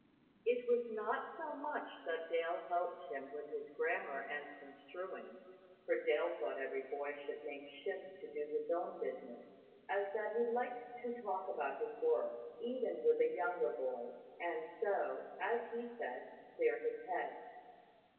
It was not so much that Dale helped him with his grammar and construing (for Dale thought every boy should make shift to do his own business) as that he liked to talk about his work, even with a younger boy; and so, as he said, clear his head.